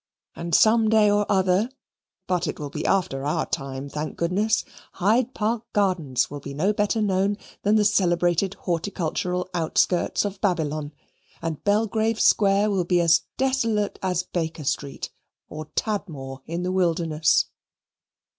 And some day or other (but it will be after our time, thank goodness) Hyde Park Gardens will be no better known than the celebrated horticultural outskirts of Babylon, and Belgrave Square will be as desolate as Baker Street, or Tadmor in the wilderness.